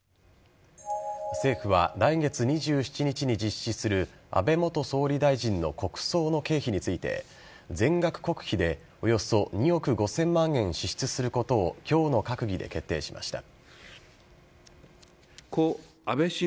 政府は来月２７日に実施する安倍元総理大臣の国葬の経費について全額国費でおよそ２億５０００万円支出することを今日の閣議で決定しました。